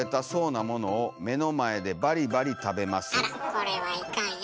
これはいかんよ。